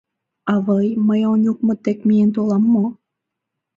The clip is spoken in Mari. Авый, мый Онюкмыт дек миен толам мо?